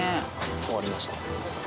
終わりました。